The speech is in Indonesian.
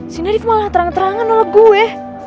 sini rifa malah terang terangan oleh gue